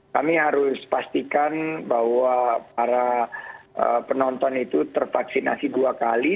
kami harus pastikan bahwa para penonton itu tervaksinasi dua kali